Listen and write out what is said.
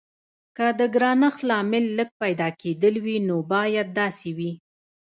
که د ګرانښت لامل لږ پیدا کیدل وي نو باید داسې وي.